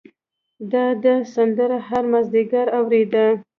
دای دا سندره هر مازدیګر اورېده.